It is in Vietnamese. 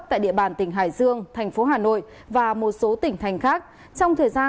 xin kính chào quý vị khán giả